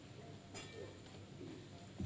ขอบคุณครับ